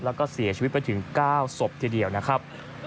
แล้วก็เสียชีวิตไปถึง๙ศพทีเดียวนะครับ